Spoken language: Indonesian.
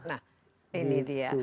nah ini dia